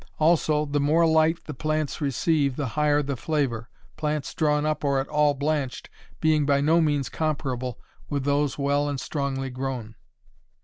Also the more light the plants receive the higher the flavor, plants drawn up or at all blanched, being by no means comparable with those well and strongly grown.